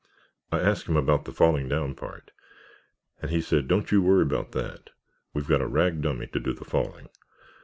"I asked him about the falling down part, and he said, 'Don't you worry about that. We've got a rag dummy to do the falling.